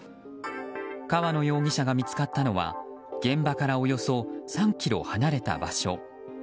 川野容疑者が見つかったのは現場からおよそ３ｋｍ離れた場所。